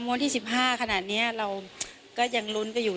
วันที่๑๕ขนาดนี้เราก็ยังลุ้นกันอยู่